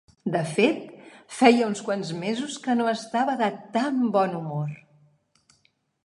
De fet, feia uns quants mesos que no estava de tan bon humor.